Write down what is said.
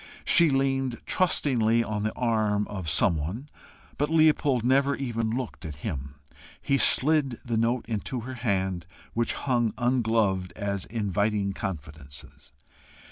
She leaned trustingly on the arm of some one, but Leopold never even looked at him. He slid the note into her hand, which hung ungloved as inviting confidences.